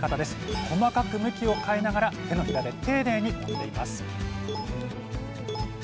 細かく向きを変えながら手のひらで丁寧にもんでいます